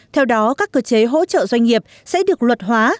theo đó các cơ chế hỗ trợ doanh nghiệp sẽ được luật hóa